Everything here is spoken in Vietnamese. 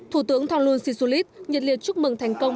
thủ tướng thonglun sisulit nhiệt liệt chúc mừng thành công